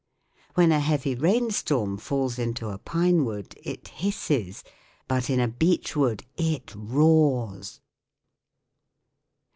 When a heavy rainstorm falls into a pine wood it hisses ; but in a beech wood it roars.